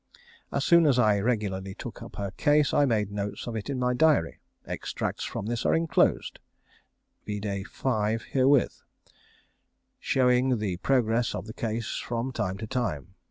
As soon as I regularly took up her case, I made notes of it in my diary. Extracts from this are inclosed (vide 5 herewith), showing the progress of the case from time to time.